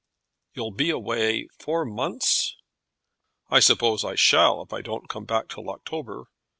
"You'll be away four months!" "I suppose I shall if I don't come back till October."